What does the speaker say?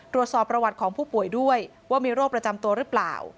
ตรวจสอบประวัติของผู้ป่วยด้วยว่ามีโรคประจำตัวหรือเปล่า